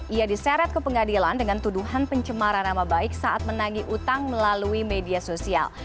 ia diseret ke pengadilan dengan tuduhan pencemaran nama baik saat menagi utang melalui media sosial